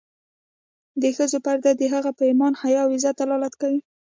د ښځو پرده د هغوی په ایمان، حیا او غیرت دلالت کوي.